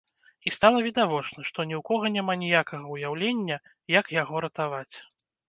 І стала відавочна, што ні ў кога няма ніякага ўяўлення, як яго ратаваць.